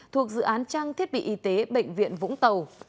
thuộc dự án trang thiết bị y tế bệnh viện vũng tàu